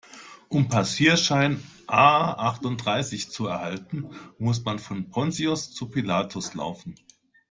Um Passierschein A-achtunddreißig zu erhalten, muss man von Pontius zu Pilatus laufen.